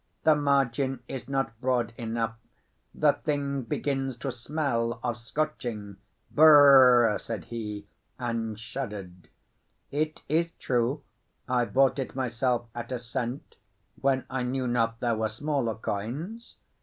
The margin is not broad enough, the thing begins to smell of scorching—brrr!" said he, and shuddered. "It is true I bought it myself at a cent, when I knew not there were smaller coins.